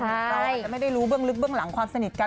เราอาจจะไม่ได้รู้เบื้องลึกเบื้องหลังความสนิทกัน